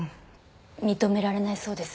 認められないそうです。